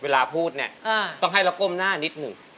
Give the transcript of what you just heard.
เวลาพูดเนี่ยต้องให้เราก้มหน้านิดหนึ่ง